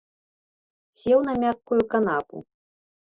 Сеў на мяккую канапу.